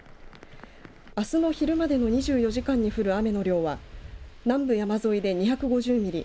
あすの昼までの２４時間に降る雨の量は南部山沿いで２５０ミリ